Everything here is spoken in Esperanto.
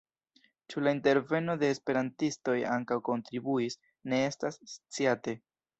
Ĉu la interveno de esperantistoj ankaŭ kontribuis, ne estas sciate.